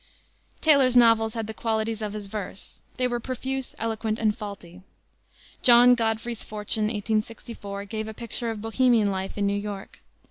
Taylor's novels had the qualities of his verse. They were profuse, eloquent and faulty. John Godfrey's Fortune, 1864, gave a picture of bohemian life in New York.